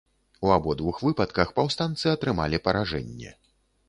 У абодвух выпадках паўстанцы атрымалі паражэнне.